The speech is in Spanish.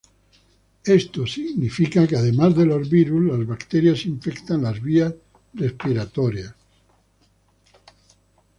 Esto significa que, además de los virus, las bacterias infectan las vías respiratorias.